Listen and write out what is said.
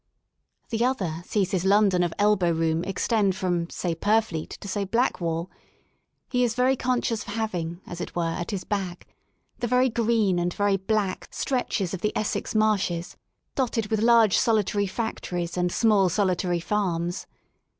'* The other sees his London of elbow room extend from say Purfleet to say Blackwall, He is conscious of having, as it were at his back, the very green and very black stretches of the Essex marshes dotted with large solitar}^ factories and small solitary farms.